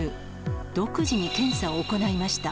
独自に検査を行いました。